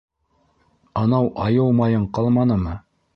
Анау айыу майың ҡалманымы?